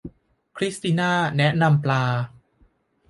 คริสติน่าแนะนำปลา